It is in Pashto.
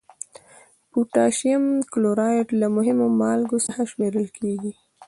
پوتاشیم کلورایډ له مهمو مالګو څخه شمیرل کیږي.